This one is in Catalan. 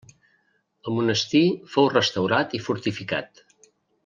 El monestir fou restaurat i fortificat.